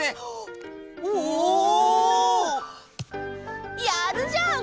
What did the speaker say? おお！やるじゃん！